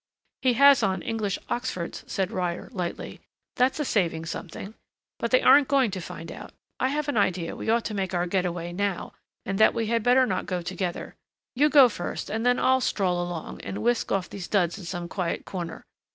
"He has on English oxfords," said Ryder lightly. "That's a saving something. But they aren't going to find out..... I have an idea we ought to make our getaway now, and that we had better not go together. You go first and then I'll stroll along, and whisk off these duds in some quiet corner....